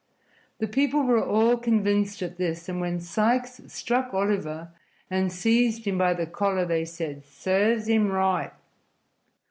The people were all convinced at this, and when Sikes struck Oliver and seized him by the collar they said, "Serves him right!"